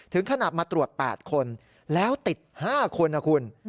ถึงขนาดมาตรวจ๘คนแล้วติด๕คนนะคุณ